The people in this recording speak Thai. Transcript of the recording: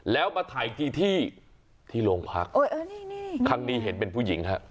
แล้วมาถ่ายอีกทีที่ที่โรงพักครั้งนี้เห็นเป็นผู้หญิงฮะ